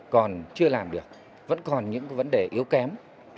còn chưa làm được vẫn còn những vấn đề yếu kém